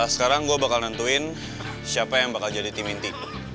sekarang gue bakal nentuin siapa yang bakal jadi tim inti